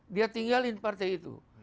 dia tinggalin partai itu